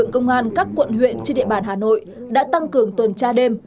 công an các quận huyện trên địa bàn hà nội đã tăng cường tuần tra đêm